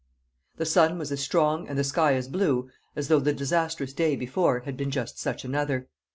The sun was as strong and the sky as blue as though the disastrous day before had been just such another.